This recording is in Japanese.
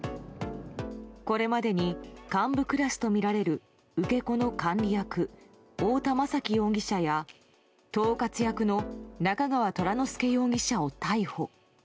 これまでに幹部クラスとみられる受け子の管理役太田雅揮容疑者や統括役の中川虎乃輔容疑者を逮捕。